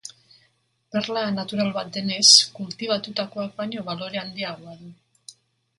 Perla natural bat denez, kultibatutakoak baino balore handiagoa du.